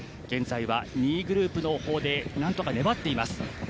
現在は２位グループの方でなんとか粘っています。